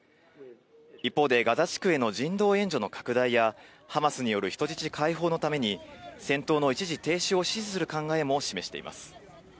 一方でガザ地区への人道援助の拡大や、ハマスによる人質解放のために、戦闘の一時停止を指示する考えも示しています。